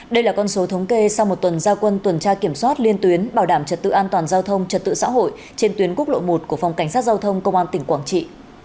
đây là con số thống kê sau một tuần giao quân tuần tra kiểm soát liên tuyến bảo đảm trật tự an toàn giao thông trật tự xã hội trên tuyến quốc lộ một của phòng cảnh sát giao thông công an tỉnh quảng trị